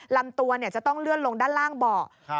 ลำตัวจะต้องเลื่อนลงด้านล่างเบาะ